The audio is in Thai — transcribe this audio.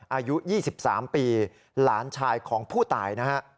อายุ๒๓ปีหลานชายของผู้ตายนะฮะ